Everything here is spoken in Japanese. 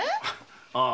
ああ。